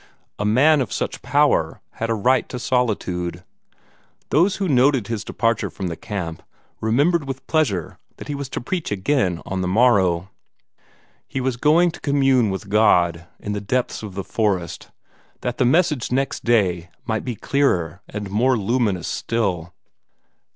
A man of such power had a right to solitude. Those who noted his departure from the camp remembered with pleasure that he was to preach again on the morrow. He was going to commune with God in the depths of the forest, that the Message next day might be clearer and more luminous still.